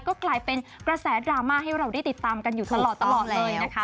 ก็กลายเป็นกระแสดราม่าให้เราได้ติดตามกันอยู่ตลอดเลยนะคะ